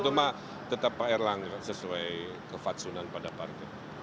itu mah tetap pak erlangga sesuai kefatsunan pada partai